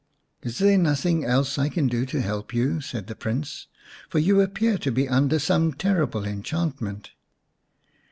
" Is there nothing else I can do to help you ?" said the Prince. " For you appear to be under some terrible enchantment."